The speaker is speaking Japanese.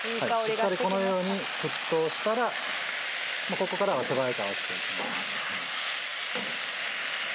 しっかりこのように沸騰したらここからは手早く合わせていきます。